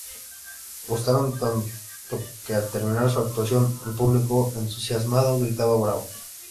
Gustaron tanto que al terminar su actuación el público entusiasmado gritaba "¡Bravo!